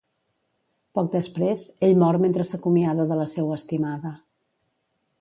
Poc després, ell mor mentre s'acomiada de la seua estimada.